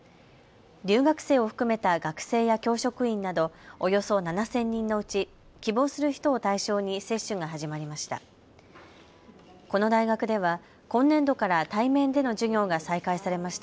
留学生を含めた学生や教職員など、およそ７０００人のうち希望する人を対象に接種が始まりました。